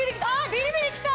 ビリビリきた！